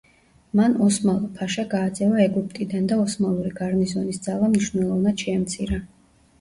მან ოსმალო ფაშა გააძევა ეგვიპტიდან და ოსმალური გარნიზონის ძალა მნიშვნელოვნად შეამცირა.